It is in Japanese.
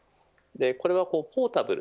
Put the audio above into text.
これはポータブル